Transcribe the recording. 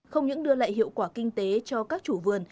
không những đưa lại hiệu quả kinh tế cho các chủ vườn